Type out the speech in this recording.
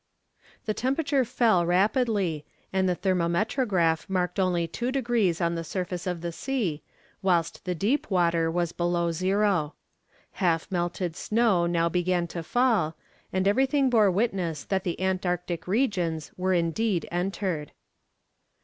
The temperature fell rapidly, and the thermometrograph marked only two degrees on the surface of the sea, whilst the deep water was below zero. Half melted snow now began to fall, and everything bore witness that the Antarctic regions were indeed entered.